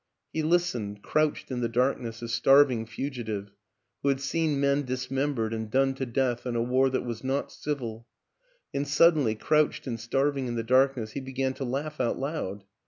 He listened, crouched in the dark ness, a starving fugitive who had seen men dismembered and done to death in a war that was not civil; and suddenly, crouched and starv ing in the darkness, he began to laugh out loud.